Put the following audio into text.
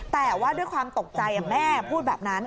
แต่ว่าด้วยความตกใจแม่พูดแบบนั้น